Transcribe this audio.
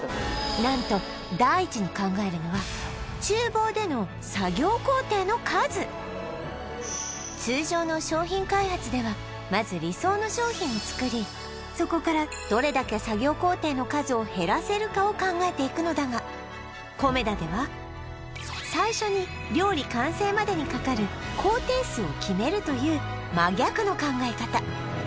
何と第一に考えるのは厨房での通常の商品開発ではまず理想の商品を作りそこからどれだけ作業工程の数を減らせるかを考えていくのだがコメダでは最初に料理完成までにかかる工程数を決めるという真逆の考え方